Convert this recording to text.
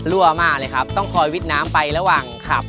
รั่วมากเลยครับต้องคอยวิทย์น้ำไประหว่างขับ